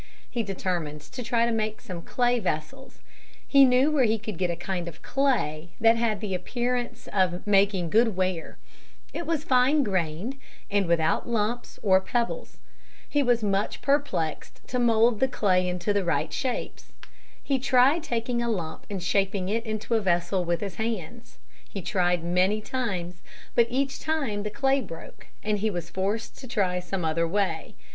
He determined to try to make some clay vessels. He knew where he could get a kind of clay that had the appearance of making good ware. It was fine grained and without lumps or pebbles. He was much perplexed to mould the clay into right shapes. He tried taking a lump and shaping it into a vessel with his hands. He tried many times, but each time the clay broke and he was forced to try some other way.